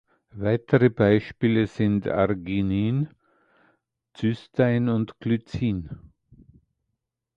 Weitere Beispiele sind Arginin, Cystein und Glycin.